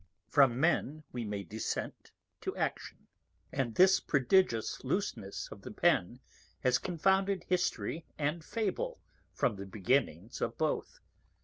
_From Men we may descend to Action: and this prodigious Looseness of the Pen has confounded History and Fable from the beginning of both.